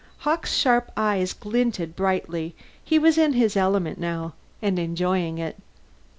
Hawkes' sharp eyes glinted brightly; he was in his element now, and enjoying it.